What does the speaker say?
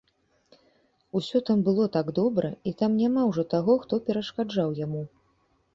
Усё там было так добра і там няма ўжо таго, хто перашкаджаў яму.